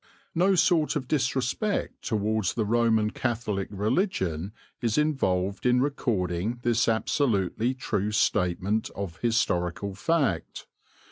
No sort of disrespect towards the Roman Catholic religion is involved in recording this absolutely true statement of historical fact.